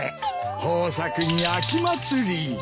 豊作に秋祭り。